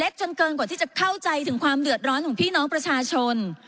จนเกินกว่าที่จะเข้าใจถึงความเดือดร้อนของพี่น้องประชาชน